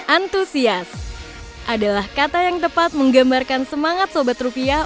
antusias adalah kata yang tepat menggambarkan semangat sobat rupiah